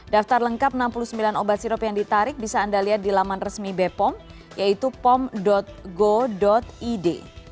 daftar lengkap enam puluh sembilan obat sirup yang ditarik bisa anda lihat di laman resmi bepom yaitu pom go id